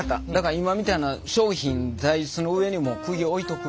今みたいな商品座イスの上にもうくぎを置いとく。